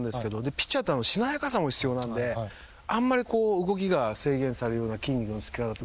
ピッチャーってしなやかさも必要なんであんまり動きが制限されるような筋肉のつき方って。